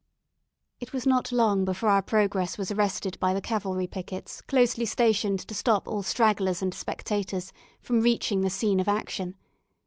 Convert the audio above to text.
It was not long before our progress was arrested by the cavalry pickets closely stationed to stop all stragglers and spectators from reaching the scene of action.